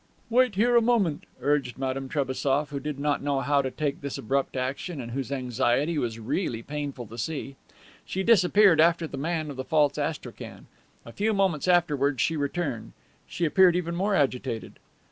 "Wait here a moment," urged Madame Trebassof, who did not know how to take this abrupt action and whose anxiety was really painful to see. She disappeared after the man of the false astrakhan. A few moments afterwards she returned. She appeared even more agitated.